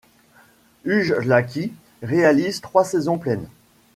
Ujlaki réalise trois saisons pleines.